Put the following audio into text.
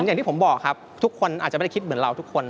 อย่างที่ผมบอกครับทุกคนอาจจะไม่ได้คิดเหมือนเราทุกคน